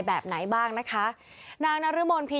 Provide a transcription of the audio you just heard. และความสุขของคุณค่ะ